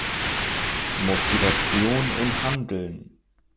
Motivation und Handeln.